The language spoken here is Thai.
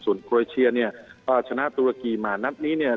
ส่วนโครเชียเนี่ยก็ชนะตุรกีมานัดนี้เนี่ย